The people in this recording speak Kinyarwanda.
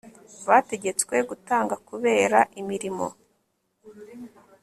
bategetswe gutanga kubera imirimo